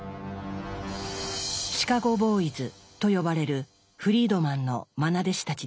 「シカゴ・ボーイズ」と呼ばれるフリードマンのまな弟子たちです。